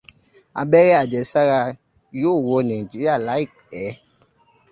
Abẹ́rẹ́ àjẹsára yóò wọ Nàìjíríà láìpẹ́.